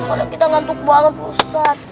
soalnya kita ngantuk banget ustadz